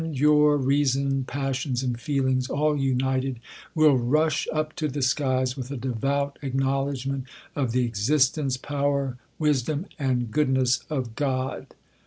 203 your reason, passions, and feelings, all united, will rush up to the skies, with a devout acknowledgment of the existence, power, wisdom, and goodness of God.